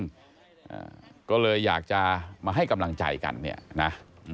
อ่าก็เลยอยากจะมาให้กำลังใจกันเนี่ยนะอืม